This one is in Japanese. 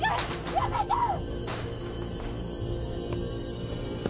やめてよ！